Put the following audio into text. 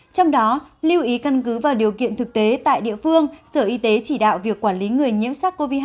trong đó lưu ý căn cứ vào điều kiện thực tế tại địa phương sở y tế chỉ đạo việc quản lý người nhiễm sars cov hai